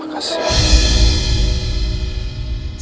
jangan sambil pikir pikir